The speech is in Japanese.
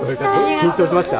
緊張しました？